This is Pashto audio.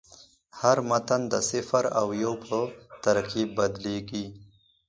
هر متن د صفر او یو په ترکیب بدلېږي.